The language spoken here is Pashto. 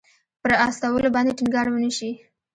پر استولو باندې ټینګار ونه شي.